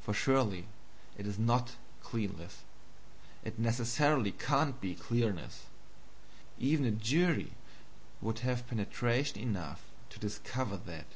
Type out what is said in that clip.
For surely it is NOT clearness it necessarily can't be clearness. Even a jury would have penetration enough to discover that.